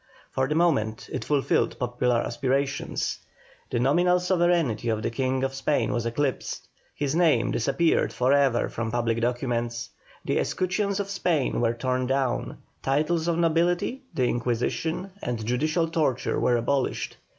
For the moment it fulfilled popular aspirations; the nominal sovereignty of the King of Spain was eclipsed, his name disappeared for ever from public documents, the escutcheons of Spain were torn down, titles of nobility, the Inquisition, and judicial torture were abolished.